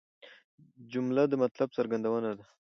جمله د مطلب څرګندونه ده.